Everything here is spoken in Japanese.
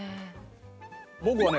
僕はね